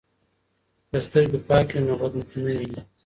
که سترګې پاکې وي نو بد نه ویني.